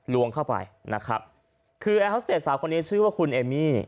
ลวงเข้าไปนะครับคือแอร์ฮอสเตจสาวคนนี้ชื่อว่าคุณเอมี่